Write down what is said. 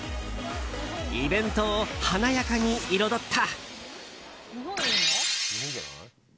イベントを華やかに彩った。